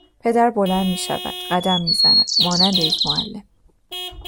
پدر بلند میشود قدم میزند مانند یک معلم